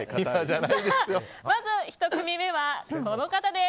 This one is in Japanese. まずは１組目はこの方です。